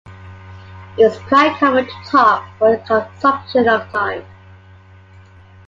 It is quite common to talk about the consumption of time.